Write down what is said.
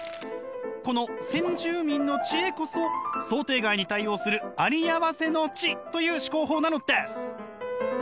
この先住民の知恵こそ想定外に対応するありあわせの知という思考法なのです！